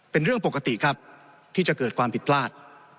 เป็นเรื่องปกติครับที่จะเกิดความผิดพลาด